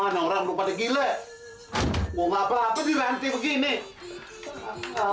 nah orang lu pada gila mau ngapa apa dirantik begini